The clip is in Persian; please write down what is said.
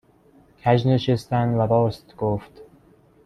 کژ نشستن و راست گفت